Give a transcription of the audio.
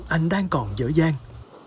anh đang còn dở dàng